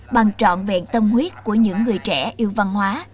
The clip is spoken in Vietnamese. bằng trọn vẹn tâm huyết của những người trẻ yêu văn hóa